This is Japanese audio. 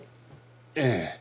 ええ。